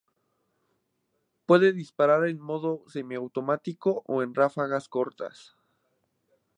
Puede disparar en modo semiautomático o ráfagas cortas.